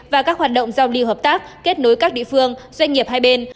và các hoạt động giao lưu hợp tác kết nối các địa phương doanh nghiệp hai bên